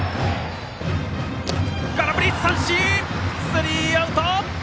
空振り三振、スリーアウト。